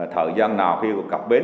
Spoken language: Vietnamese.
thời gian nào khi cặp bến